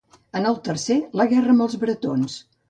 En el tercer, la guerra amb els bretons.